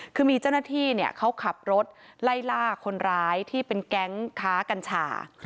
คือมีเจ้าหน้าที่เขาขับรถไล่ล่าคนร้ายที่เป็นแก๊งค้ากัญชา